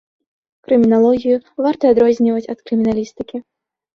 Крыміналогію варта адрозніваць ад крыміналістыкі.